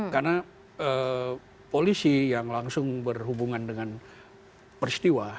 karena polisi yang langsung berhubungan dengan peristiwa